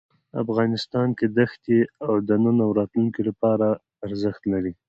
افغانستان کې دښتې د نن او راتلونکي لپاره ارزښت لري.